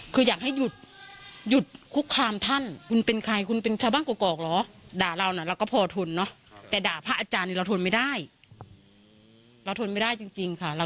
คืออยากให้หยุดหยุดคุกคามท่านคุณเป็นใครคุณเป็นชาวบ้านกรกเหรอ